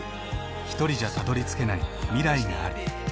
ひとりじゃたどりつけない未来がある。